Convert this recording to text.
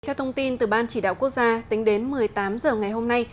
theo thông tin từ ban chỉ đạo quốc gia tính đến một mươi tám h ngày hôm nay